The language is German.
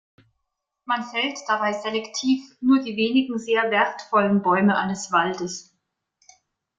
Man fällt dabei selektiv nur die wenigen sehr wertvollen Bäume eines Waldes.